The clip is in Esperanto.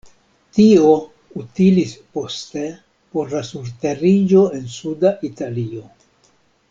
Tio utilis poste por la surteriĝo en suda Italio.